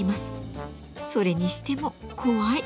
それにしても怖い！